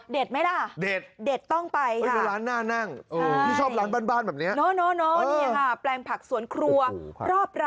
เด็ดไหมล่ะเด็ด